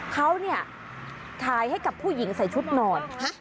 เขาเนี่ยขายให้กับผู้หญิงใส่ชุดนอน